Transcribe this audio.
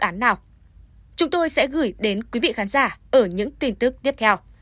án nào chúng tôi sẽ gửi đến quý vị khán giả ở những tin tức tiếp theo